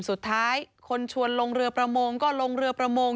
สุดท้ายคนชวนลงเรือประมงก็ลงเรือประมง